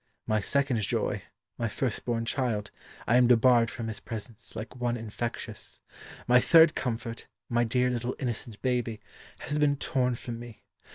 My second joy my first born child I am debarred from his presence, like one infectious. My third comfort my dear little innocent baby has been torn from me.